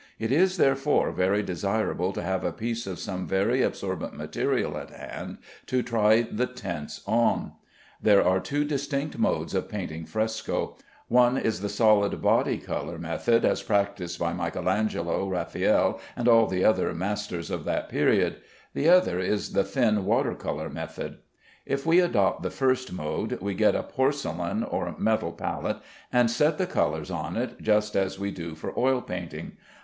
It is, therefore, very desirable to have a piece of some very absorbent material at hand to try the tints on. There are two distinct modes of painting fresco. One is the solid body color method, as practised by M. Angelo, Raffaelle, and all the other masters of that period. The other is the thin water color method. If we adopt the first mode, we get a porcelain or metal palette, and set the colors on it just as we do for oil painting.